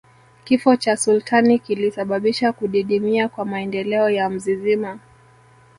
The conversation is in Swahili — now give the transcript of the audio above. Kifo cha sultani kilisababisha kudidimia kwa maendeleo ya mzizima